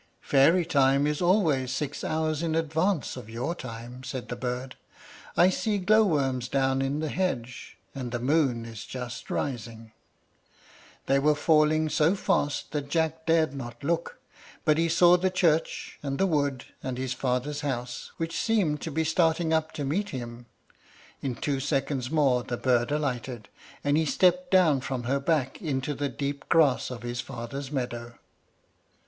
"Fairy time is always six hours in advance of your time," said the bird. "I see glowworms down in the hedge, and the moon is just rising." They were falling so fast that Jack dared not look; but he saw the church, and the wood, and his father's house, which seemed to be starting up to meet him. In two seconds more the bird alighted, and he stepped down from her back into the deep grass of his father's meadow.